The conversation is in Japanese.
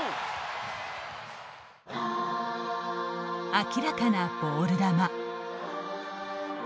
明らかなボール球。